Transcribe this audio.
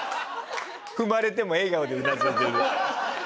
踏まれても笑顔でうなずいてる。